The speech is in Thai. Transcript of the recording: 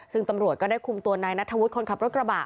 ซึ่งตำรวจก็ได้คุมตัวนายนัทธวุฒิคนขับรถกระบะ